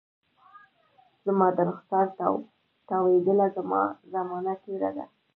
زما د رخساره تاویدله، زمانه تیره ده